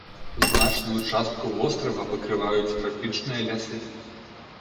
Значную частку вострава пакрываюць трапічныя лясы.